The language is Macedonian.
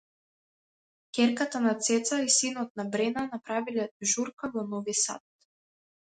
Ќерката на Цеца и синот на Брена направиле журка во Нови Сад